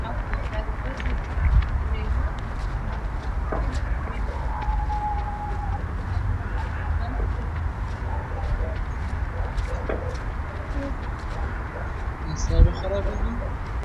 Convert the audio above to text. څپه د ګرامر لحاظه تعریف ده.